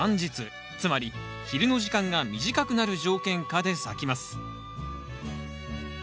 つまり昼の時間が短くなる条件下で咲きます